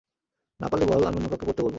না পারলে বল, আমি অন্য কাউকে পড়তে বলব।